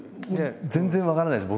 全然分からないです